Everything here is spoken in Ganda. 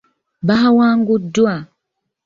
Baawanguddwa.